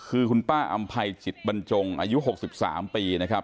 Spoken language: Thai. คือคุณป้าอำภัยจิตบรรจงอายุ๖๓ปีนะครับ